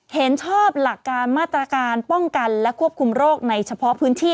เห็นชอบหลักการมาตรการป้องกันและควบคุมโรคในเฉพาะพื้นที่